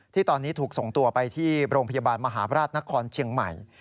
ที่ตอนนี้ถูกส่งตัวไปที่โรงพยาบาลมหาบราชนครเชียงใหม่